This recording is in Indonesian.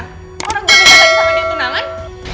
kok udah gue nikah lagi sama dia tunangan